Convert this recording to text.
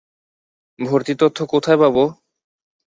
ভর্তির তথ্য কোথায় পাবো?